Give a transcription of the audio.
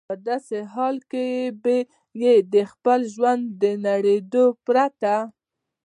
په داسې حال کې به یې د خپل ژوند د نړېدو پرته.